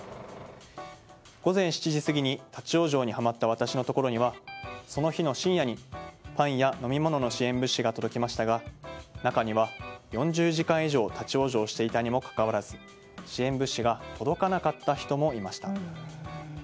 午前７時過ぎに立ち往生にはまった私のところにはその日の深夜にパンや飲み物の支援物資が届きましたが中には４０時間以上立ち往生していたにもかかわらず支援物資が届かなかった人もいました。